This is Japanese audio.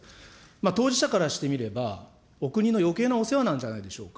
当事者からしてみれば、お国のよけいなお世話なんじゃないんでしょうか。